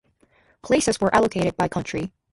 Places were allocated by country.